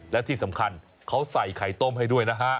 และที่สำคัญเขาใส่ไข่ต้มให้ด้วยนะฮะ